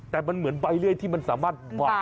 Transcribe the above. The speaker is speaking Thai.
แต่มันเหมือนใบเลื่อยที่มันสามารถบัก